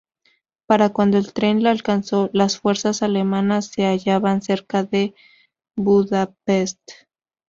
Para cuando el tren la alcanzó, las fuerzas alemanas se hallaban cerca de Budapest.